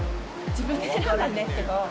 自分で選んだんですけど。